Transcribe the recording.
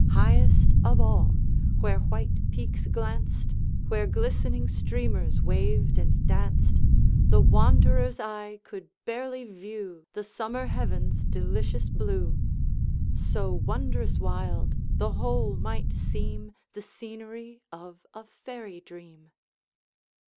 Highest of all, where white peaks glanced, Where glistening streamers waved and danced, The wanderer's eye could barely view The summer heaven's delicious blue; So wondrous wild, the whole might seem The scenery of a fairy dream.